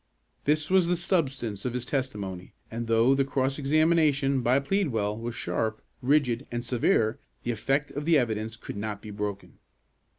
This was the substance of his testimony, and though the cross examination, by Pleadwell, was sharp, rigid and severe, the effect of the evidence could not be broken.